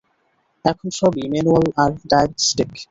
এখন সবই ম্যানুয়াল আর ডায়াগনস্টিক।